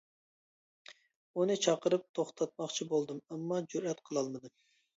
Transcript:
ئۇنى چاقىرىپ توختاتماقچى بولدۇم، ئەمما جۈرئەت قىلالمىدىم.